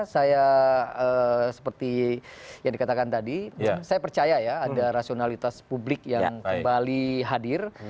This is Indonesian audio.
saya seperti yang dikatakan tadi saya percaya ya ada rasionalitas publik yang kembali hadir